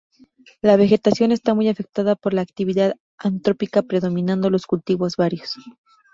La vegetación está muy afectada por la actividad antrópica predominando los cultivos varios.